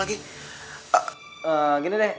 jangan sampai salah melangkah